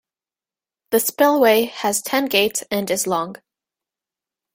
The spillway has ten gates and is long.